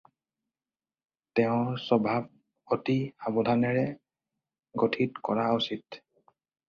তেওঁৰ স্বভাব অতি সাৱধানেৰে গঠিত কৰা উচিত।